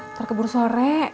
ntar keburu sore